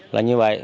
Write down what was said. là như vậy